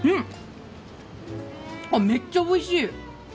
めっちゃおいしい！